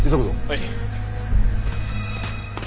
はい。